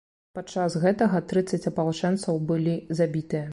Падчас гэтага, трыццаць апалчэнцаў былі забітыя.